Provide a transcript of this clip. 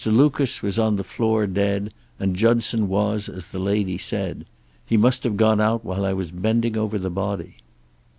Lucas was on the floor dead, and Judson was as the lady said. He must have gone out while I was bending over the body." Q.